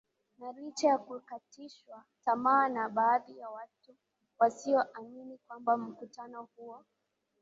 na licha ya kukatishwa tamaa na baadhi ya watu wasio amini kwamba mkutano huo